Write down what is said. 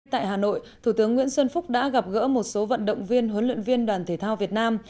tại hà nội thủ tướng nguyễn xuân phúc đã gặp gỡ một số vận động viên huấn luyện viên đoàn thể thao việt nam